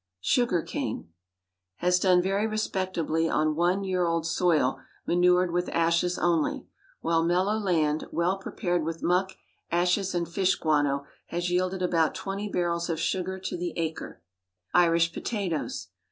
SUGAR CANE Has done very respectably on one year old soil manured with ashes only; while mellow land, well prepared with muck, ashes, and fish guano, has yielded about twenty barrels of sugar to the acre. IRISH POTATOES.